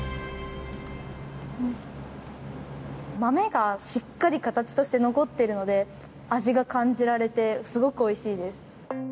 豆がしっかり形として残ってるので味が感じられてすごくおいしいです。